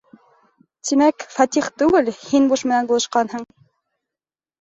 Тимәк, Фәтих түгел, һин буш менән булышҡанһың.